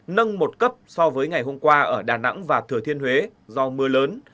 nâng một cấp so với ngày hôm qua ở đà nẵng và thừa thiên huế do mưa lớn